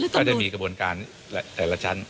ก็จะมีกระบวนการแต่ละชั้น